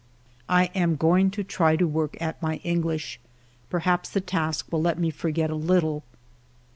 ... I am going to try to work at my English. Per haps the task will help me to forget a little.